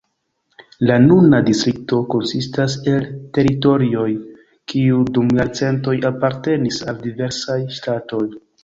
La nuna distrikto konsistas el teritorioj, kiuj dum jarcentoj apartenis al diversaj ŝtatoj.